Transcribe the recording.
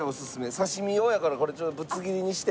刺身用やからこれぶつ切りにして。